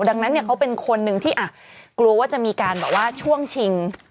ดังนั้นเนี่ยเขาเป็นคนหนึ่งที่กลัวว่าจะมีการแบบว่าช่วงชิง